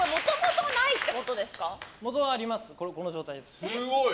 すごい！